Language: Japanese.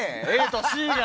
ＡとＣが。